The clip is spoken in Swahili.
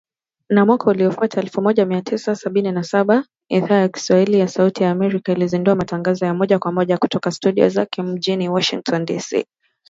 Na mwaka uliofuata, elfu moja mia tisa sitini na saba, Idhaa ya Kiswahili ya Sauti ya Amerika ilizindua matangazo ya moja kwa moja kutoka studio zake mjini Washington DC